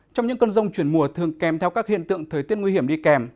trong những cơn rông chuyển mùa thường kèm theo các hiện tượng thời tiết nguy hiểm đi kèm